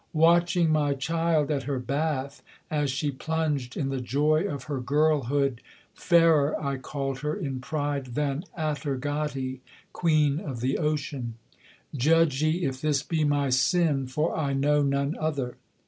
Watching my child at her bath, as she plunged in the joy of her girlhood, Fairer I called her in pride than Atergati, queen of the ocean. Judge ye if this be my sin, for I know none other.'